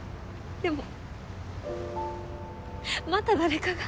でもまた誰かが。